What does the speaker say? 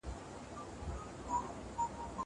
لوستې مور د ماشومانو د سترګو معاينې ته پام کوي.